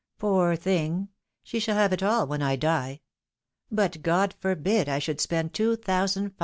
" Poor thing !— she shall have it all when I die. But God forbid I should spend £2,575 10s.